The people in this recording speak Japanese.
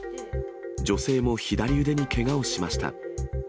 女性も左腕にけがをしました。